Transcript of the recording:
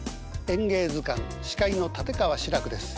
「演芸図鑑」司会の立川志らくです。